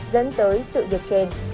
dẫn tới sự việc trên